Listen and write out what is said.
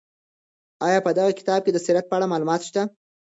آیا په دغه کتاب کې د سیرت په اړه معلومات شته؟